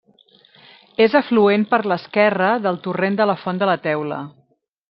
És afluent per l'esquerra del torrent de la Font de la Teula.